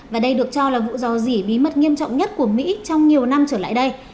và đây được cho là vụ dò dỉ bí mật nghiêm trọng nhất của mỹ trong nhiều năm trở lại đây